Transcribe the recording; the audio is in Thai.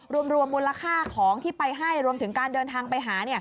รวมมูลค่าของที่ไปให้รวมถึงการเดินทางไปหา